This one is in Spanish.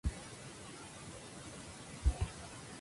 Generalmente usada solo para navegación costera, era movida a remo.